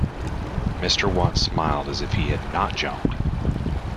Mr. Watts smiled as if he had not jumped.